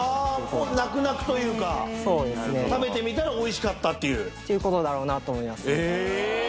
もう泣く泣くというかそうですね食べてみたらおいしかったっていうっていうことだろうなと思いますえ！